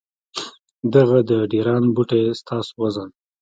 دغه د ډېران بوئي ستاسو وزن ،